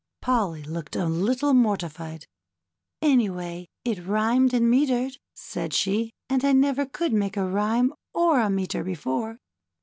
Polly looked a little mortified. Anyway it rhymed and metred," said she; ^^and I never could make a rhyme or a metre before.